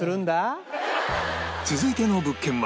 続いての物件は